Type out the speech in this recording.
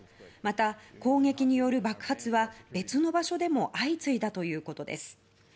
また、攻撃による爆発は別の場所でも相次いだということです。